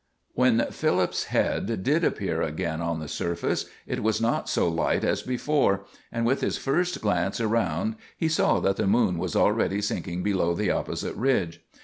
When Philip's head did appear again on the surface, it was not so light as before, and with his first glance around he saw that the moon was already sinking below the opposite ridge.